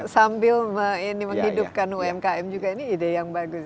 sambil menghidupkan umkm juga ini ide yang bagus